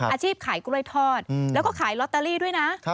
อาชีพขายกล้วยทอดแล้วก็ขายลอตเตอรี่ด้วยนะ